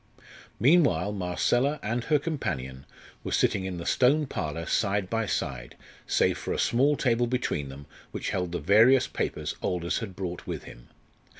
Meanwhile Marcella and her companion were sitting in the Stone Parlour side by side, save for a small table between them, which held the various papers Aldous had brought with him.